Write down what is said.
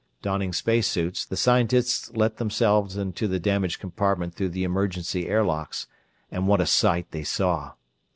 Donning space suits, the scientists let themselves into the damaged compartment through the emergency air locks, and what a sight they saw!